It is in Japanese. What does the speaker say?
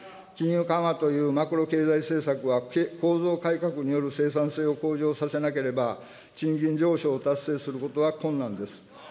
金融緩和というマクロ経済政策は、構造改革による生産性を向上させなければ、賃金上昇を達成することは困難です。